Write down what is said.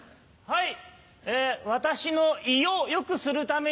はい。